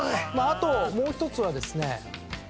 あともう１つはですね。